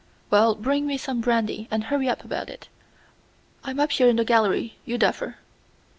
"Well, bring me some brandy, and hurry up about it. I'm up here in the gallery, you duffer."